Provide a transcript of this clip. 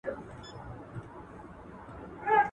موږ په خپل کلي کې یو نوی کتابتون جوړ کړی دی.